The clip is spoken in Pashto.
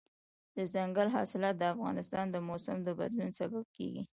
دځنګل حاصلات د افغانستان د موسم د بدلون سبب کېږي.